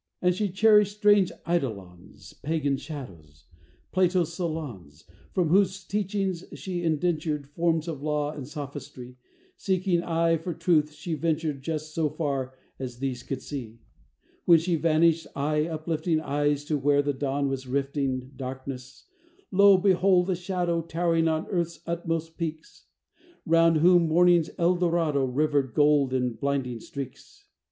And she cherished strange eidolons, Pagan shadows Plato's, Solon's From whose teachings she indentured Forms of law and sophistry; Seeking aye for truth she ventured Just so far as these could see. When she vanished, I uplifting Eyes to where the dawn was rifting Darkness, lo! beheld a shadow Towering on Earth's utmost peaks; Round whom morning's El Dorado Rivered gold in blinding streaks.